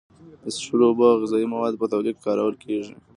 د څښلو اوبو او غذایي موادو په تولید کې کارول کیږي.